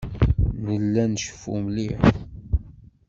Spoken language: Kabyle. Nella nceffu mliḥ.